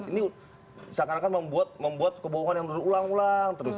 ini seakan akan membuat kebohongan yang berulang ulang